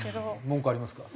文句ありますか？